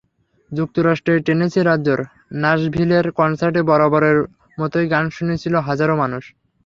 যুক্তরাষ্ট্রের টেনেসি রাজ্যের নাসভিলের কনসার্টে বরাবরের মতোই গান শুনছিল হাজারো মানুষ।